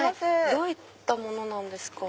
どういったものなんですか？